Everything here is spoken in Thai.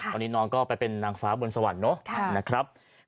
ตอนนี้น้องก็ไปเป็นนางฟ้าบนสวรรค์เนอะนะครับ